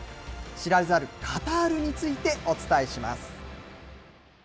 知られざるカタールについてお伝えします。